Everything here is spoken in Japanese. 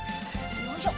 よいしょ。